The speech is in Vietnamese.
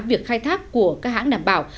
việc khai thác của các hãng đảm bảo